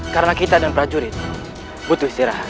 karena kita dan prajurit butuh istirahat